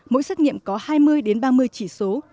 mỗi xét nghiệm có hai mươi ba mươi chỉ số